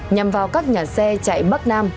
nhằm vào các nhà xe chạy bắc nam